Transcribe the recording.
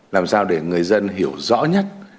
làm sao để người dân hiểu rõ nhất